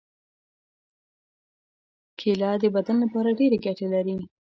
کېله د بدن لپاره ډېرې ګټې لري.